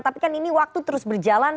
tapi kan ini waktu terus berjalan